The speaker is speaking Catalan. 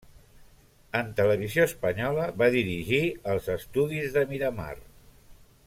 En Televisió espanyola va dirigir els estudis de Miramar.